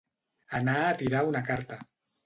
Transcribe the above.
Anar a tirar una carta.